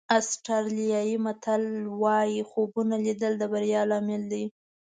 آسټرالیایي متل وایي خوبونه لیدل د بریا لامل دي.